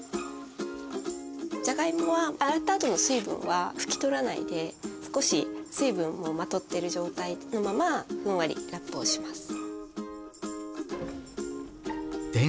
じゃがいもは洗ったあとの水分は拭き取らないで少し水分をまとっている状態のままふんわりラップをします。